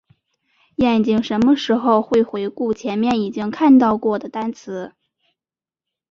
眼睛什么时候会回顾前面已经看到过的单词？